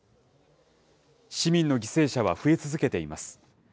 市民の犠牲者は増え続けています。